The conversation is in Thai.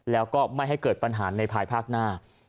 แล้วก็ไม่ให้เกิดปัญหาในภายภาคหน้า